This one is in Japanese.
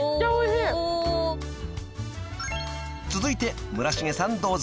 ［続いて村重さんどうぞ］